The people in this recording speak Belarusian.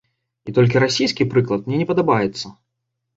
І толькі расійскі прыклад мне не падабаецца.